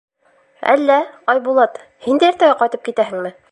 — Әллә, Айбулат, һин дә иртәгә ҡайтып китәһеңме?